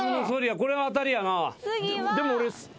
これは当たりやな。